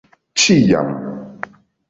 ĉiam